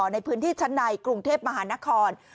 ในพื้นที่ชั้นในกรุงเทพมหานคร